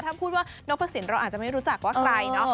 ถ้าพูดว่านกพระสินเราอาจจะไม่รู้จักว่าใครเนาะ